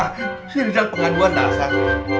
rizal penganduan tak asal